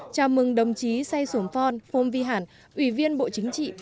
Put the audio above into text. chào mừng đồng chí say sổm phon phong vi hản ủy viên bộ chính trị